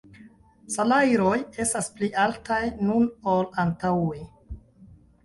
Salajroj estas pli altaj nun ol antaŭe.